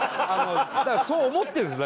だからそう思ってるんですよ。